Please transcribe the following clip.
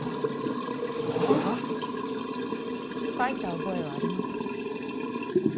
書いた覚えはありません。